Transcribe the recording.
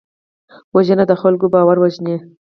وژنه د خلکو باور وژني